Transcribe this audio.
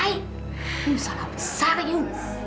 ini salah besar ibu